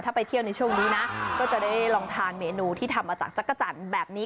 ถ้าไปเที่ยวในช่วงนี้นะก็จะได้ลองทานเมนูที่ทำมาจากจักรจันทร์แบบนี้